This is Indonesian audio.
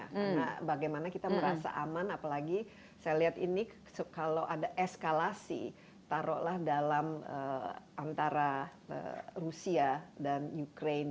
karena bagaimana kita merasa aman apalagi saya lihat ini kalau ada eskalasi taruhlah dalam antara rusia dan ukraine